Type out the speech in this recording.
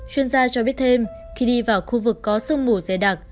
chuyên gia cho biết thêm khi đi vào khu vực có sông mù dây đặc